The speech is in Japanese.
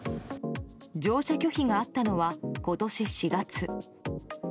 乗車拒否があったのは今年４月。